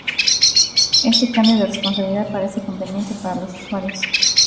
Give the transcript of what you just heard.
Este cambio de responsabilidad parece conveniente para los usuarios